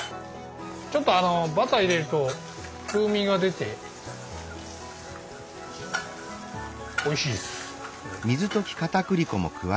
ちょっとあのバター入れると風味が出ておいしいっす。